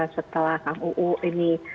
setelah kang uu ini